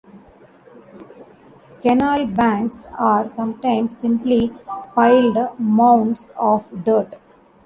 Canal banks are sometimes simply piled mounds of dirt.